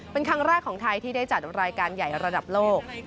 เป็นครั้งแรกของไทยที่ได้จัดรายการใหญ่ระดับโลก